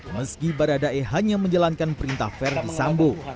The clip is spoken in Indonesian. meski barada e hanya menjalankan perintah ferdisambo